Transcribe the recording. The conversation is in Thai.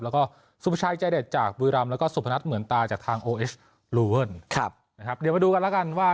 แล้วก็ชายเด็ดจากแล้วก็สุพนัทเหมือนตาจากทางครับเดี๋ยวมาดูกันแล้วกันว่า